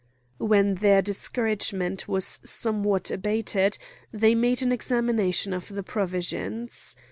When their discouragement was somewhat abated, they made an examination of the provisions.